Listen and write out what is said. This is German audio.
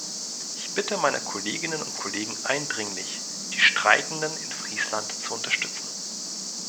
Ich bitte meine Kolleginnen und Kollegen eindringlich, die Streikenden in Friesland zu unterstützen.